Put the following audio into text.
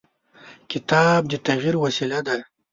کتاب د تغیر وسیله ده.